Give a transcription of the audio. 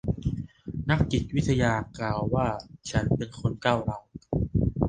นักจิตวิทยากล่าวว่าฉันเป็นคนก้าวร้าว